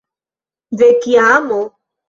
De kia amo?